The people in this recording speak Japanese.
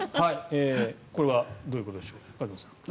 これはどういうことでしょうか梶本さん。